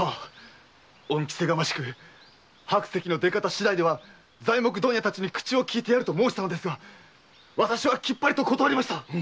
恩着せがましく白石の出方しだいでは材木問屋たちに口を利いてやると申したのですが私はきっぱりと断りました！